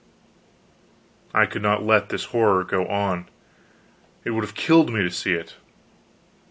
I could not let this horror go on; it would have killed me to see it.